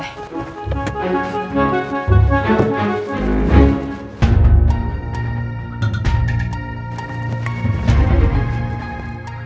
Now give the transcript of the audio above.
jangan sampai pues ongk